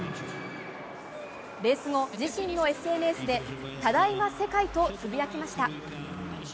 レース後、自身のＳＮＳで「ただいま、世界」とつぶやきました。